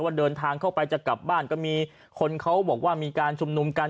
เดินทางเข้าไปจะกลับบ้านก็มีคนเขาบอกว่ามีการชุมนุมกัน